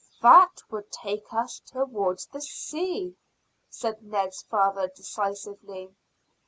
"That would take us towards the sea," said Ned's father decisively.